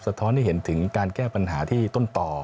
ท้อนให้เห็นถึงการแก้ปัญหาที่ต้นต่อ